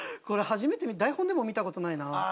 これ初めて見た台本でも見たことないな。